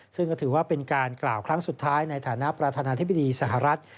ซึ่งก็ถือว่าเป็นการกล่าวครั้งสุดท้ายในฐานะประธานาธิบดีสหรัฐ